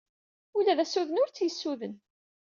Ula d assuden ur t-yessuden.